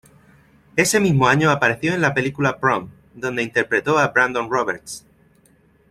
Ese mismo año apareció en la película "Prom", donde interpretó a Brandon Roberts.